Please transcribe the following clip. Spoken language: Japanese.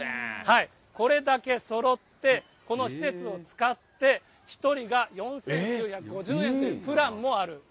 これだけそろって、この施設を使って、１人が４９５０円というプランもある。